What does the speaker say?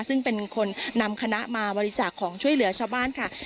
ซึ่งเป็นคนนำคณะมาบริจาคของช่วยเหลือชาวบ้านค่ะ